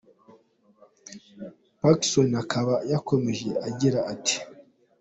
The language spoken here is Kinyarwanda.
Pacson akaba yakomeje agira ati: “.